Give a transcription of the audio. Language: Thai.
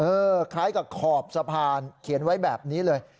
คล้ายกับขอบสะพานเขียนไว้แบบนี้เลย